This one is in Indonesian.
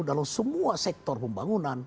dalam semua sektor pembangunan